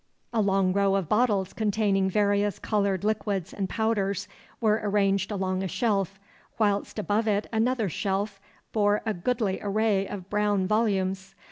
A long row of bottles containing various coloured liquids and powders were arranged along a shelf, whilst above it another shelf bore a goodly array of brown volumes.